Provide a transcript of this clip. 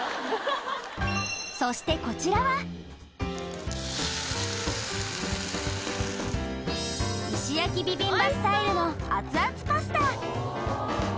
そしてこちらは石焼ビビンバスタイルの熱々パスタ